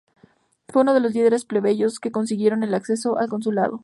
Fue uno de los líderes plebeyos que consiguieron el acceso al consulado.